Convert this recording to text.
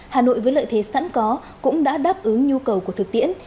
hà nội với lợi thế sẵn có cũng đã đáp ứng nhu cầu của thực tiễn